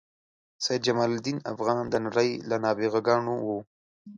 سید جمال الدین افغان د نړۍ له نابغه ګانو و.